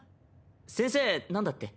先生なんだって？